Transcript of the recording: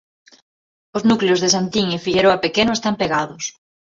O núcleos de Santín e Figueroa Pequeno están pegados.